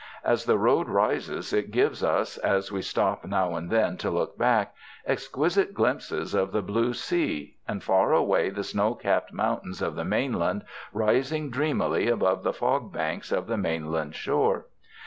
As the road rises, it gives us, as we stop now and then to look back, exquisite glimpses of the blue sea and far away the snow capped mountains of the mainland rising dreamily above the fog banks of the mainland shore.